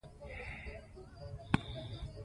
د انسان د تسلط توقع لري.